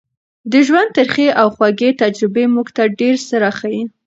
د ژوند ترخې او خوږې تجربې موږ ته ډېر څه راښيي.